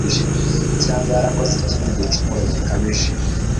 cyangwa yarakoze ikindi gicumuro gikabije